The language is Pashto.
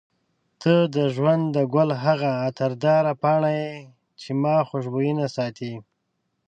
ته د ژوند د ګل هغه عطرداره پاڼه یې چې ما خوشبوینه ساتي.